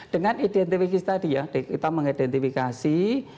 dengan identifikasi tadi ya kita mengidentifikasi